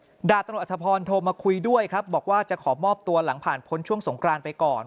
ดาบตำรวจอธพรโทรมาคุยด้วยครับบอกว่าจะขอมอบตัวหลังผ่านพ้นช่วงสงครานไปก่อน